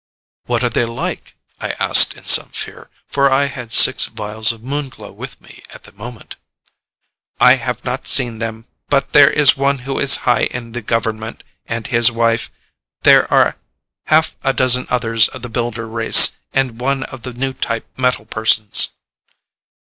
"What are they like?" I asked in some fear, for I had six vials of Moon Glow with me at the moment. "I have not seen them, but there is one who is high in the government, and his wife. There are half a dozen others of the Builder race, and one of the new type metal persons."